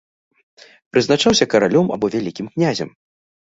Прызначаўся каралём або вялікім князем.